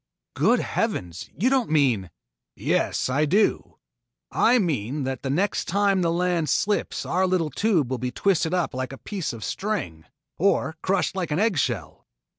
"Good heavens, you don't mean " "Yes, I do. I mean that the next time the land slips our little tube will be twisted up like a piece of string, or crushed like an eggshell.